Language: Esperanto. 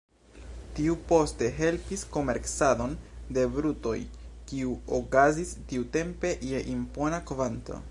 Tiu poste helpis komercadon de brutoj, kiu okazis tiutempe je impona kvanto.